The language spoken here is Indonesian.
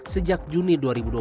sejak juni dua ribu dua puluh